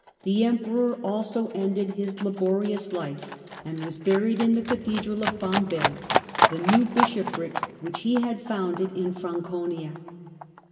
the Emperor also ended his lolT^ laborious life, and was buried in the cathedral of Bamberg, the new bishopric which he had founded in Franconia.